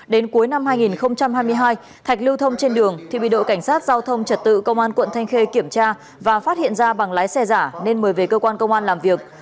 đến cuối năm hai nghìn hai mươi hai thạch lưu thông trên đường thì bị đội cảnh sát giao thông trật tự công an quận thanh khê kiểm tra và phát hiện ra bằng lái xe giả nên mời về cơ quan công an làm việc